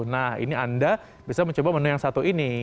nah ini anda bisa mencoba menu yang satu ini